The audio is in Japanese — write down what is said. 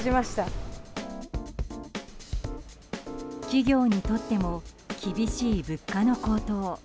企業にとっても厳しい物価の高騰。